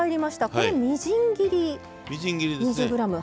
これはみじん切り２０ｇ。